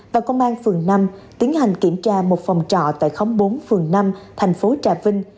và công an phường năm tiến hành kiểm tra một phòng trọ tại khóm bốn phường năm thành phố trà vinh